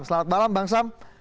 selamat malam bang sam